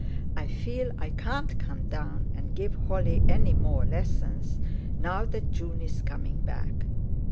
I feel I can't come down and give Holly any more lessons, now that June is coming back.